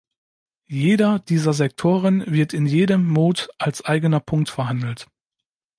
Jeder dieser Sektoren wird in jedem "Mode" als eigener Punkt verhandelt.